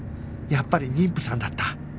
やっぱり妊婦さんだった